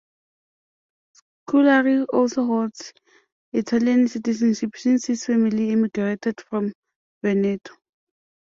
Scolari also holds Italian citizenship, since his family emigrated from Veneto.